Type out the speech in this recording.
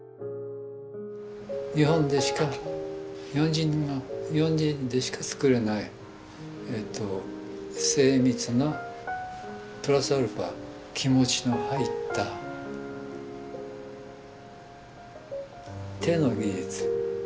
日本でしか日本人でしか作れない精密なプラスα気持ちの入った手の技術。